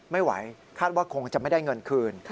ไม่ไหวคาดว่าคงจะไม่ได้เงินคืน